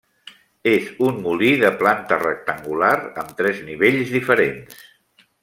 És un molí de planta rectangular amb tres nivells diferents.